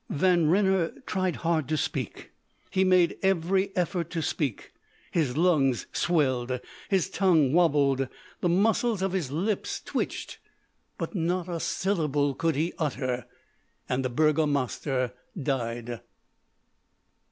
Van Renner tried hard to speak; he made every effort to speak; his lungs swelled, his tongue wobbled, the muscles of his lips twitched; but not a syllable could he utter and the Burgomaster died.